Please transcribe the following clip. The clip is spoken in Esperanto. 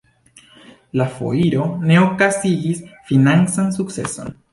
La foiro ne okazigis financan sukceson.